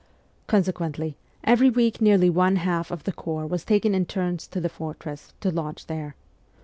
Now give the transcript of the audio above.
Conse quently, every week nearly one half of the corps was taken in turns to the fortress, to lodge there.